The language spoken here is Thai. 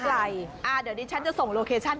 ใกล้อ่าเดี๋ยวนี้ฉันจะส่งโลเคชั่น